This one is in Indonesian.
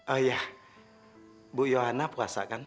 ayah bu yohana puasa kan